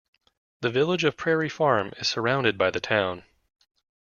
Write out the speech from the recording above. The village of Prairie Farm is surrounded by the town.